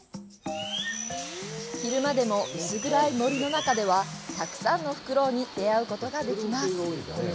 昼間でも薄暗い森の中ではたくさんのフクロウに出会うことができます。